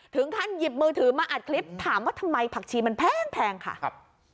ถึงขั้นหยิบมือถือมาอัดคลิปถามว่าทำไมผักชีมันแพงค่ะครับ